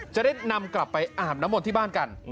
จะได้นำกลับไปอาบน้ำมนต์ที่บ้านกัน